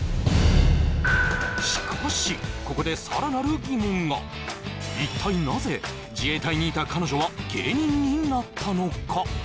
しかしここで一体なぜ自衛隊にいた彼女は芸人になったのか？